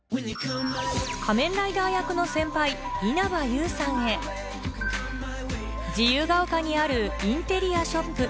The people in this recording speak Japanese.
仮面ライダー役の先輩稲葉友さんへ自由が丘にあるインテリアショップ